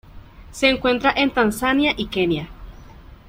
Se encuentra en Tanzania y Kenia.